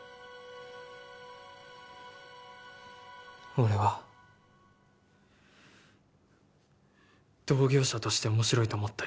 俺は同業者としておもしろいと思ったよ